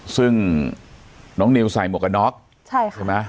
ซึ่งน้องนิวใส่หมวกกันน็อกใช่ค่ะใช่ไหม